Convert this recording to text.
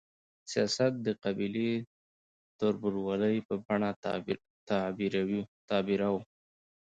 سیاست د قبایلي تربورولۍ په بڼه تعبیروو.